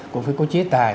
cũng phải có chế tài